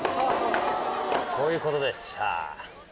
こういうことでした。